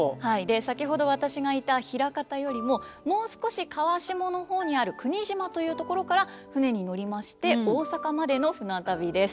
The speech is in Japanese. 先ほど私がいた枚方よりももう少し川下の方にある柴島という所から船に乗りまして大阪までの船旅です。